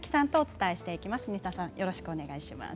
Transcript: よろしくお願いします。